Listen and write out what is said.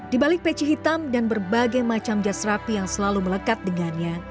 di balik peci hitam dan berbagai macam jas rapi yang selalu melekat dengannya